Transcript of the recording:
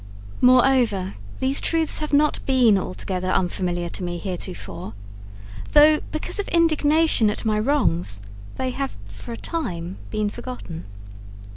Moreover, these truths have not been altogether unfamiliar to me heretofore, though because of indignation at my wrongs they have for a time been forgotten.